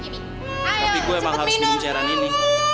tapi gue emang harus minum cairan ini